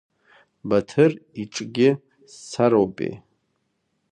Баҭыр иҿгьы сцароупеи.